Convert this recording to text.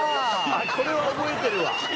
これは覚えてるわ。